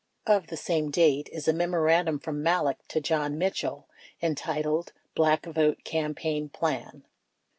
Of the same date is a memorandum from Malek to John Mitchell entitled "Black Vote Campaign Plan."